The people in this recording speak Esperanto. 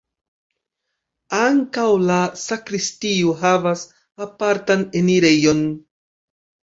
Ankaŭ la sakristio havas apartan enirejon.